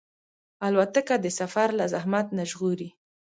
الوتکه د سفر له زحمت نه ژغوري.